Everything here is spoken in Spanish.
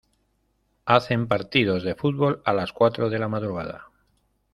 Hacen partidos de fútbol a las cuatro de la madrugada.